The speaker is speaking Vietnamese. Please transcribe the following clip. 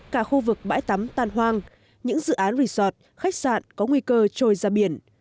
cả khu vực bãi tắm tan hoang những dự án resort khách sạn có nguy cơ trôi ra biển